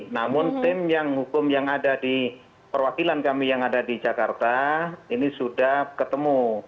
namun tim yang hukum yang ada di perwakilan kami yang ada di jakarta ini sudah ketemu